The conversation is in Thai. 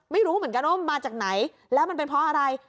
ไม่รู้เหมือนกันว่ามันมาจากไหนแล้วมันเป็นเพราะอะไร